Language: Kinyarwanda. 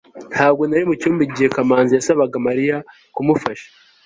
ntabwo nari mucyumba igihe kamanzi yasabaga mariya kumufasha